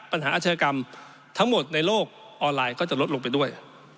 อาชญากรรมทั้งหมดในโลกออนไลน์ก็จะลดลงไปด้วย